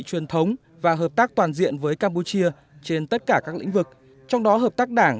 truyền thống và hợp tác toàn diện với campuchia trên tất cả các lĩnh vực trong đó hợp tác đảng